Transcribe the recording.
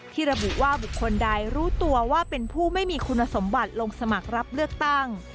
ระบุว่าบุคคลใดรู้ตัวว่าเป็นผู้ไม่มีคุณสมบัติลงสมัครรับเลือกตั้ง